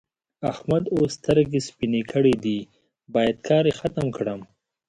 احمد اوس سترګې سپينې کړې دي؛ بايد کار يې ختم کړم.